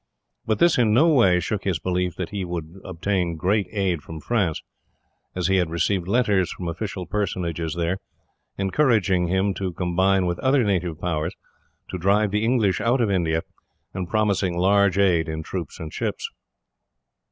But this in no way shook his belief that he would obtain great aid from France, as he had received letters from official personages there, encouraging him to combine with other native powers, to drive the English out of India, and promising large aid in troops and ships.